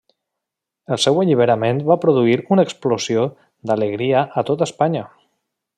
El seu alliberament va produir una explosió d'alegria a tota Espanya.